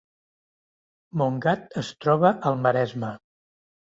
Montgat es troba al Maresme